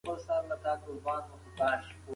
لښتې په خپلو لاسو کې د وړیو د اوبدلو هنر درلود.